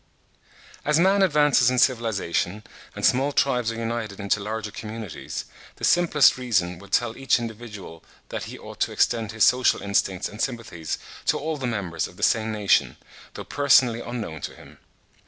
As man advances in civilisation, and small tribes are united into larger communities, the simplest reason would tell each individual that he ought to extend his social instincts and sympathies to all the members of the same nation, though personally unknown to him.